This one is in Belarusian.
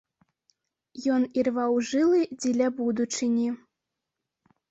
Ён ірваў жылы дзеля будучыні.